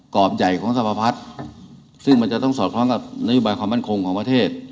รอบใหญ่ของสรรพัฒนซึ่งมันจะต้องสอดคล้องกับนโยบายความมั่นคงของประเทศ